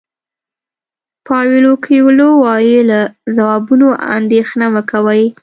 پاویلو کویلو وایي له ځوابونو اندېښنه مه کوئ.